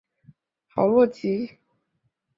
豪洛吉。